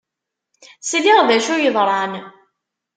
Sliɣ d acu yeḍran.